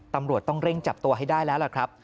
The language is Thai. ตำรวจต้องเร่งจับตัวให้ได้แล้วล่ะครับ